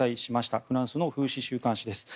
フランスの風刺週刊紙です。